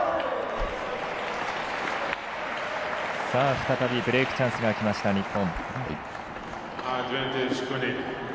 再びブレークチャンスきました日本。